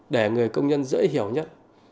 để người công nhân dễ hiểu nhất